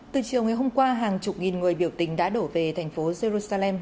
từ chiều ngày hôm qua hàng chục nghìn người biểu tình đã đổ về thành phố jerusalem